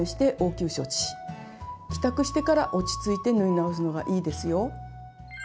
帰宅してから落ち着いて縫い直すのがいいですよ。